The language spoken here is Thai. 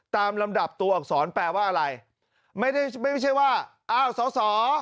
ลำดับตัวอักษรแปลว่าอะไรไม่ได้ไม่ใช่ว่าอ้าวสอสอ